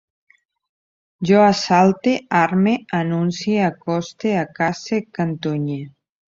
Jo assalte, arme, anuncie, acoste, acace, cantunye